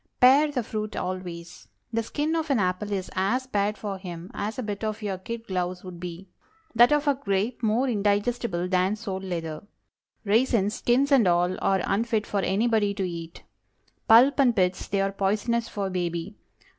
Pare the fruit always. The skin of an apple is as bad for him as a bit of your kid gloves would be; that of a grape more indigestible than sole leather. Raisins—"skins and all"—are unfit for anybody to eat. Pulp and pits, they are poisonous for baby.